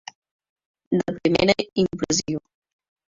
De primera impressió.